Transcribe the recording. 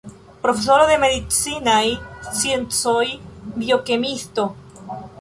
Profesoro de medicinaj sciencoj, biokemiisto.